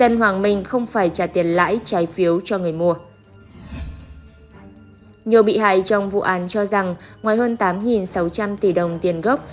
nhiều bị hại trong vụ án cho rằng ngoài hơn tám sáu trăm linh tỷ đồng tiền gốc